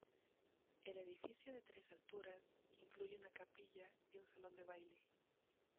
El edificio, de tres alturas, incluye una capilla y un salón de baile.